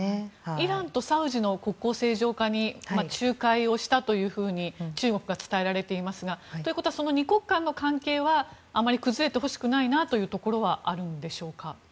イランとサウジの国交正常化の仲介をしたというふうに中国が伝えられていますがということは２国間の関係はあまり崩れてほしくないなというところはあるんでしょうか？